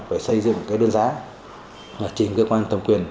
phải xây dựng cái đơn giá trên cơ quan tầm quyền